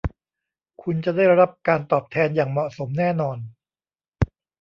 คุณจะได้รับการตอบแทนอย่างเหมาะสมแน่นอน